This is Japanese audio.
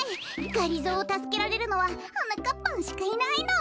がりぞーをたすけられるのははなかっぱんしかいないの。